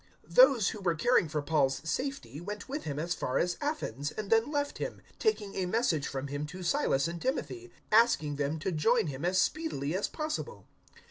017:015 Those who were caring for Paul's safety went with him as far as Athens, and then left him, taking a message from him to Silas and Timothy, asking them to join him as speedily as possible.